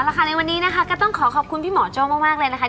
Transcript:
แล้วค่ะในวันนี้นะคะก็ต้องขอขอบคุณพี่หมอโจ้มากเลยนะคะ